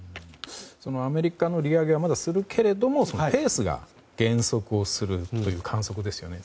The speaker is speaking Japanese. アメリカの利上げはまだするけれどもそのペースが減速するという観測ですよね。